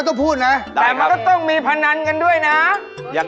ถ้าถือปืนแบบปืนเป็นบวกตึก